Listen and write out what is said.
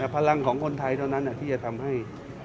พลังของคนไทยเท่านั้นที่จะทำให้